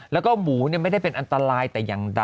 แล้วก็หมูไม่ได้เป็นอันตรายแต่อย่างใด